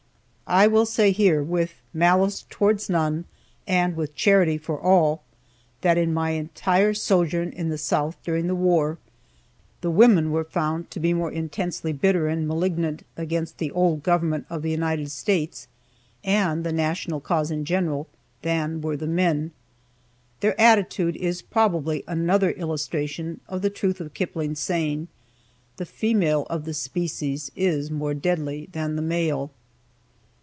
I will say here, "with malice towards none, and with charity for all," that in my entire sojourn in the South during the war, the women were found to be more intensely bitter and malignant against the old government of the United States, and the national cause in general, than were the men. Their attitude is probably another illustration of the truth of Kipling's saying, "The female of the species is more deadly than the male."